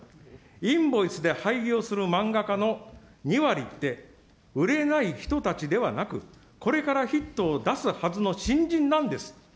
インボイスで廃業する漫画家の２割って売れない人たちではなく、これからヒットを出すはずの新人なんです。